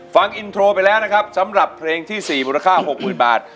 ฟังอินโทรไปแล้วนะครับสำหรับเพลงที่๔มูลค่า๖๐๐๐บาท